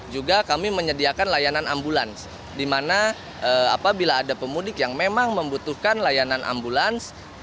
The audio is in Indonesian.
juga kami menyediakan layanan ambulans di mana apabila ada pemudik yang memang membutuhkan layanan ambulans